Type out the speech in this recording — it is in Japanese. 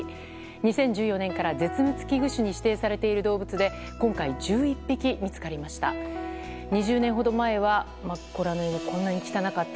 ２０１４年から、絶滅危惧種に指定されている動物で今回、１１匹見つかりました。